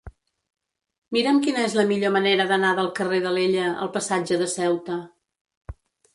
Mira'm quina és la millor manera d'anar del carrer d'Alella al passatge de Ceuta.